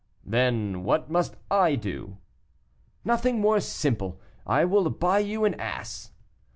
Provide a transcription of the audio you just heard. "Then what must I do?" "Nothing more simple; I will buy you an ass."